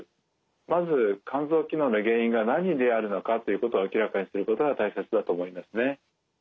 まず肝臓機能の原因が何であるのかということを明らかにすることが大切だと思いますね。